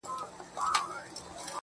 خدایه چي د مرگ فتواوي ودروي نور